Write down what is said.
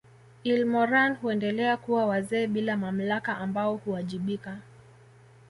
Ilmoran huendelea kuwa wazee bila mamlaka ambao huwajibika